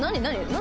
何？